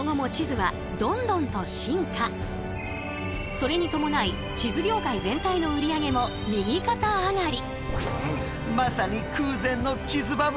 それに伴い地図業界全体の売り上げも右肩上がり。